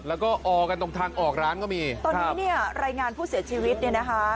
แล้วก็ออกันตรงทางออกร้านก็มีตอนนี้เนี่ยรายงานผู้เสียชีวิตเนี่ยนะคะ